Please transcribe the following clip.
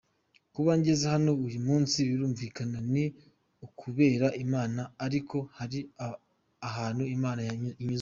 Kuba ngeze hano uyu munsi, birumvikana ni ukubera Imana ariko hari ahantu Imana inyuza.